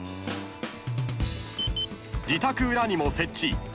［自宅裏にも設置］